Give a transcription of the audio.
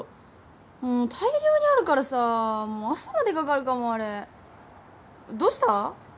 もう大量にあるからさ朝までかかるかもあれどうした？